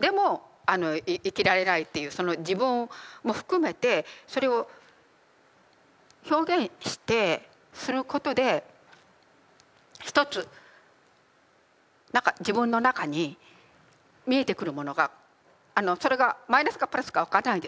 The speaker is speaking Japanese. でも生きられないっていうその自分も含めてそれを表現してすることで一つ何か自分の中に見えてくるものがそれがマイナスかプラスか分からないんですけど